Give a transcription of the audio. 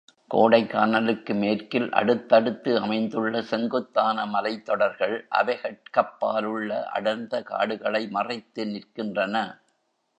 கோடைக்கானலுக்கு மேற்கில் அடுத்தடுத்து அமைந்துள்ள செங்குத்தான மலைத் தொடர்கள், அவைகட்கப்பாலுள்ள அடர்ந்த காடுகளை மறைத்து நிற்கின்றன.